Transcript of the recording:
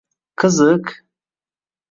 Qiziq...